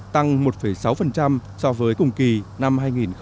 tăng một sáu so với cùng kỳ năm hai nghìn một mươi tám